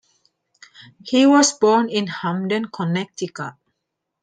He was born in Hamden, Connecticut.